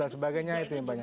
dan sebagainya itu yang banyak